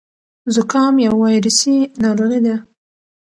زکام يو وايرسي ناروغي ده.